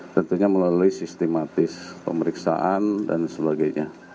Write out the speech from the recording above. tentunya melalui sistematis pemeriksaan dan sebagainya